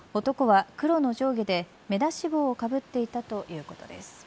男は黒の上下で、目出し帽をかぶっていたということです。